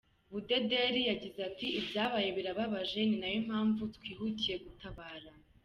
Budederi yagize ati”Ibyabaye birababje ni nayo mpavu twihutiye gutabara.